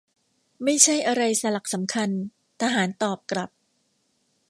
ไม่ใช่อะไรสลักสำคัญ. ทหารตอบกลับ